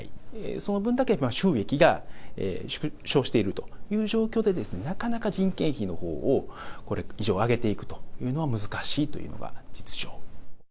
その分だけ収益が縮小しているという状況で、なかなか人件費のほうを、これ以上、上げていくというのは難しいというのが実情。